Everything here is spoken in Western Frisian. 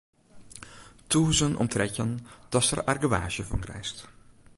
Tûzen om trettjin datst der argewaasje fan krijst.